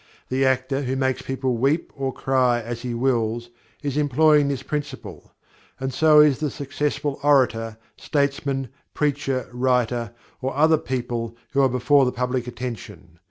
The actor who makes people weep or cry as he wills, is employing this principle. And so is the successful orator, statesman, preacher, writer or other people who are before the public attention.